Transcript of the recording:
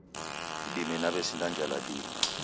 Idime nawesinda njala dii